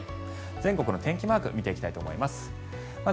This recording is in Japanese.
全国の天気マークを見ていきたいと思います。